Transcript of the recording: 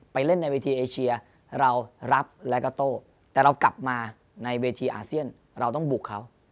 เล่นในเวทีเอเชียเรารับแล้วก็โต้แต่เรากลับมาในเวทีอาเซียนเราต้องบุกเขา